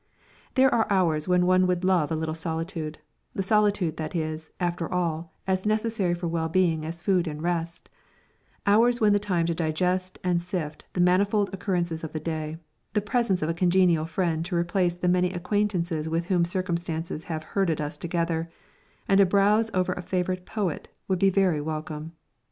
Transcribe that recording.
_ There are hours when one would love a little solitude the solitude that is, after all, as necessary for well being as food and rest; hours when the time to digest and sift the manifold occurrences of the day, the presence of a congenial friend to replace the many acquaintances with whom circumstances have herded us together, and a browse over a favourite poet, would be very welcome.